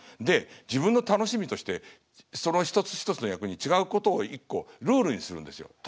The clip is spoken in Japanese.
で自分の楽しみとしてその一つ一つの役に違うことを一個ルールにするんですよ。